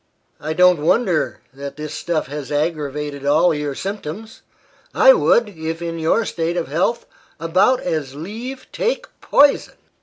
I don't wonder that this stuff has aggravated all your symptoms. I would, if in your state of health, about as leave take poison."